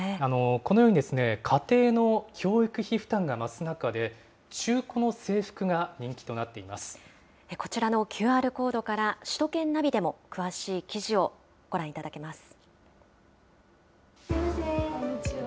このように、家庭の教育費負担が増す中で、中古の制服が人気こちらのＱＲコードから、首都圏ナビでも詳しい記事をご覧いただけます。